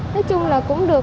nói chung là cũng được